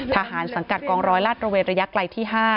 สังกัดกองร้อยลาดระเวนระยะไกลที่๕